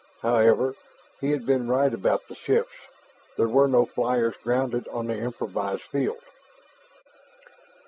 However, he had been right about the ships there were no flyers grounded on the improvised field.